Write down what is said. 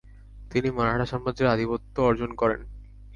তিনি মারাঠা সাম্রাজ্যের অাধিপত্য অর্জন করেন।